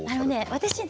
私ね